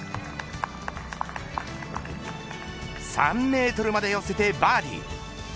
３メートルまで寄せてバーディー。